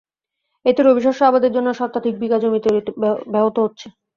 এতে রবি শস্য আবাদের জন্য শতাধিক বিঘা জমি তৈরি ব্যাহত হচ্ছে।